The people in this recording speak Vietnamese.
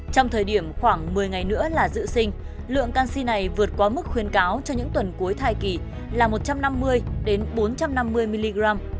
trong thời điểm khoảng một mươi ngày nữa là dự sinh lượng canxi này vượt qua mức khuyên cáo cho những tuần cuối thai kỳ là một trăm năm mươi bốn trăm năm mươi mg